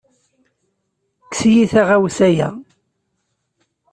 Kkes-iyi taɣawsa-ya!